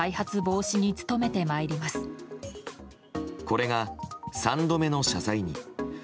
これが３度目の謝罪に。